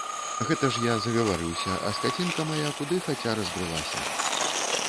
Гэта ж я загаварыўся, а скацінка мая куды хаця разбрылася.